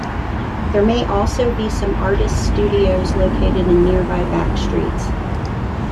There may also be some artists' studios located in nearby back-streets.